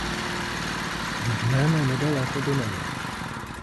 Від мене недалеко до неї.